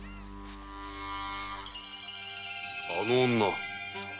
あの女？